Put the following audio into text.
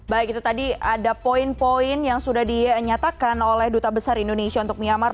baik itu tadi ada poin poin yang sudah dinyatakan oleh duta besar indonesia untuk myanmar